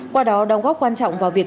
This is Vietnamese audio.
qua đó đóng góp quan trọng vào việc